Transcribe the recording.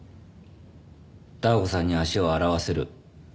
ダー子さんに足を洗わせる。